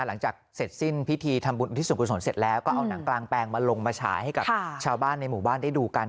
หลังจากเสร็จสิ้นพิธีทำบุญอุทิศส่วนกุศลเสร็จแล้วก็เอาหนังกลางแปลงมาลงมาฉายให้กับชาวบ้านในหมู่บ้านได้ดูกัน